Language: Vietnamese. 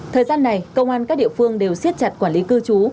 thời gian này công an các địa phương đều xiết chặt quản lý cư trú